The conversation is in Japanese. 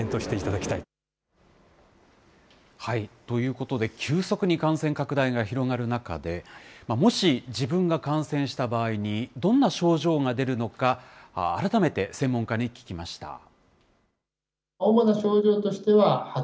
ということで、急速に感染拡大が広がる中で、もし自分が感染した場合に、どんな症状が出るのか、改めて専門家に聞きました。